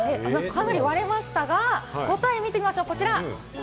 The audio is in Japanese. かなり割れましたが、答えを見てみましょうこちら。